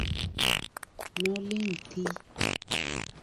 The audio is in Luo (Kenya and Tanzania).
Noling thii.